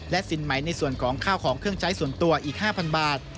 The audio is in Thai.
สินใหม่ในส่วนของข้าวของเครื่องใช้ส่วนตัวอีก๕๐๐บาท